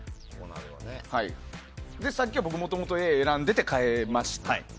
さっきは僕、もともとＡを選んでてて変えました。